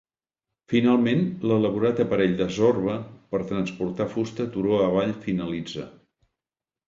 Finalment, l'elaborat aparell de Zorba per transportar fusta turó avall finalitza.